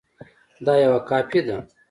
دا یوه کاپي ده